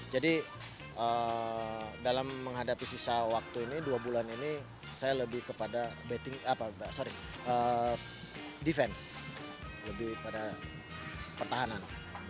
jadi dalam menghadapi sisa waktu ini dua bulan ini saya lebih kepada defense lebih pada pertahanan